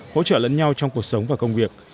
hỗ trợ lẫn nhau trong cuộc sống và công việc